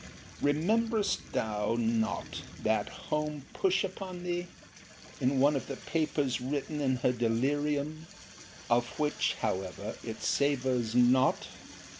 Rememberest thou not that home push upon thee, in one of the papers written in her delirium; of which, however it savours not?